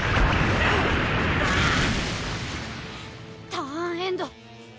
ターンエンド。